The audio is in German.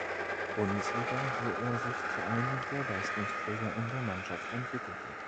Bundesliga, wo er sich zu einem der Leistungsträger in der Mannschaft entwickelte.